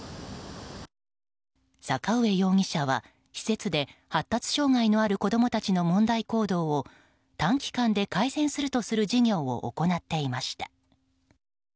坂上容疑者は施設で発達障害のある子供たちの問題行動を短期間で改善するとする事業を行っていました。